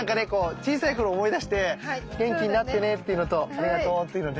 小さい頃思い出して「元気になってね」っていうのと「ありがとう」っていうので。